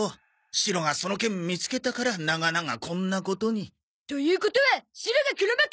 シロがその券見つけたから長々こんなことに。ということはシロが黒幕！